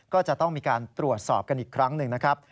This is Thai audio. ก็จะต้องมีการตรวจสอบกันอีกครั้งหนึ่งนะครับ